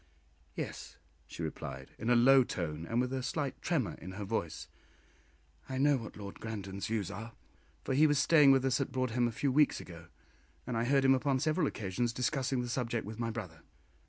"Yes," she replied, in a low tone, and with a slight tremor in her voice, "I know what Lord Grandon's views are, for he was staying with us at Broadhem a few weeks ago, and I heard him upon several occasions discussing the subject with my brother."